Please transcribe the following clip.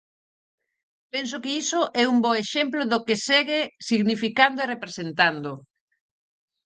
Penso que iso é un bo exemplo do que segue significando e representando.